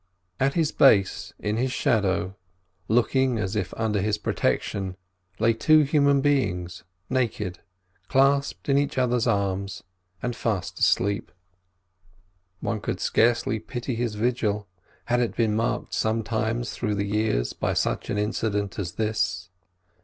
At his base, in his shadow, looking as if under his protection, lay two human beings, naked, clasped in each other's arms, and fast asleep. One could scarcely pity his vigil, had it been marked sometimes through the years by such an incident as this.